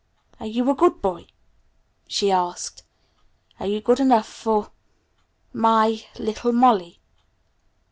"Are you a good boy?" she asked. "Are you good enough for my little Molly?"